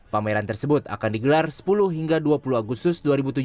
pameran tersebut akan digelar sepuluh hingga dua puluh agustus dua ribu tujuh belas